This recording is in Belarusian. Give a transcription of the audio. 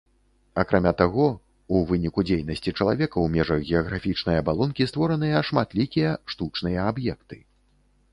Акрамя таго, у выніку дзейнасці чалавека ў межах геаграфічнай абалонкі створаныя шматлікія штучныя аб'екты.